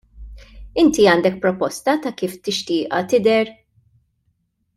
Inti għandek proposta ta' kif tixtieqha tidher?